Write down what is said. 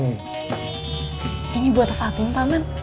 ini buat fatin pak man